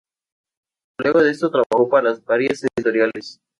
Luego de esto trabajó para varias editoriales.